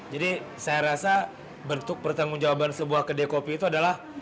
saya rasa bentuk pertanggung jawaban sebuah kedai kopi itu adalah